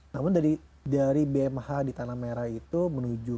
namun dari bmh di tanah merah itu menuju